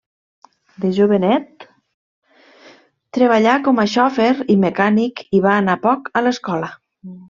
De jovenet treballà com a xofer i mecànic i va anar poc a l'escola.